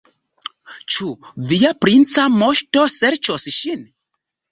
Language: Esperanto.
Ĉu via princa moŝto serĉos ŝin?